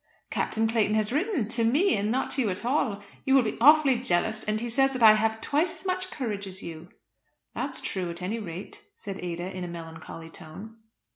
"Captain Clayton has written, to me and not to you at all. You will be awfully jealous; and he says that I have twice as much courage as you." "That's true, at any rate," said Ada, in a melancholy tone.